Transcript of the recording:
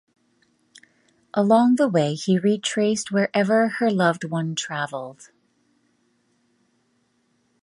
Along the way he retraced wherever her loved one traveled.